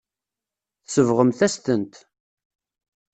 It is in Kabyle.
Tsebɣemt-as-tent.